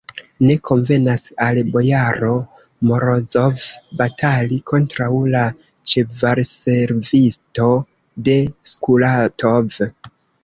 Ne konvenas al bojaro Morozov batali kontraŭ la ĉevalservisto de Skuratov!